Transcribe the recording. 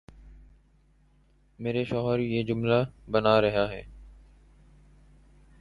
میرے شوہر یہ جملہ بنا رہا ہے